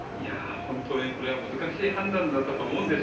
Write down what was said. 本当にこれは難しい判断だったと思うんです。